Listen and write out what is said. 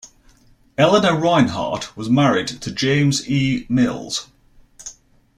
Eleanor Reinhardt was married to James E. Mills.